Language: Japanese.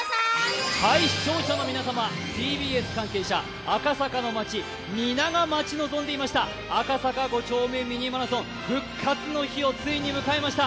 視聴者の皆様、ＴＢＳ関係者、赤坂の街、皆が待ち望んでいました「赤坂５丁目ミニマラソン」、復活の日をついに迎えました。